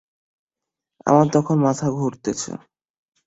আমার তখন মাথা ঘুরছে।